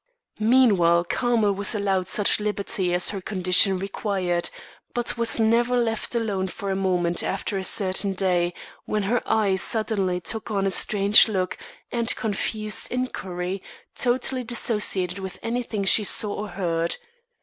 Meanwhile Carmel was allowed such liberty as her condition required; but was never left alone for a moment after a certain day when her eye suddenly took on a strange look of confused inquiry, totally dissociated with anything she saw or heard.